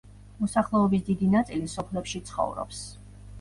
მოსახლეობის დიდი ნაწილი სოფლებში ცხოვრობს.